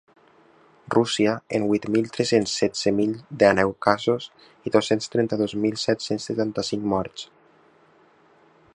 Rússia, amb vuit milions tres-cents setze mil dinou casos i dos-cents trenta-dos mil set-cents setanta-cinc morts.